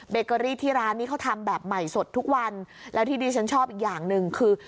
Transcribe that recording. เกอรี่ที่ร้านนี้เขาทำแบบใหม่สดทุกวันแล้วที่ดิฉันชอบอีกอย่างหนึ่งคือ